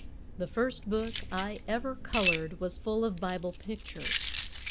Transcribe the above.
The first book I ever colored was full of Bible pictures.